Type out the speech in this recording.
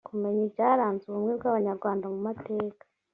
kumenya ibyaranze ubumwe bw abanyarwanda mu mateka